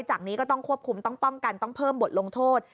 จากนี้ก็ต้องควบคุมต้องป้องกันต้องเพิ่มบทลงโทษ